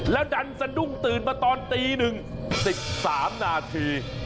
แล้วดันสะดุ้งตื่นมาตอนตี๑๑๓นาที